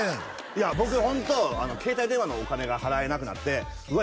いや僕ホント携帯電話のお金が払えなくなってうわ